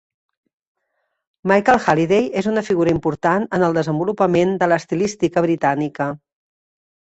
Michael Halliday és una figura important en el desenvolupament de l'estilística britànica.